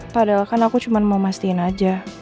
padahal kan aku cuma mau mastiin aja